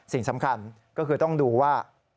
สิ่งสำคัญก็คือต้องดูว่า